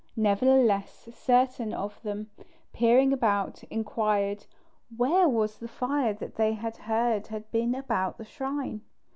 Nevertheless, certain of them, peering about, inquired where was the fire that they had just heard had been about the shrine.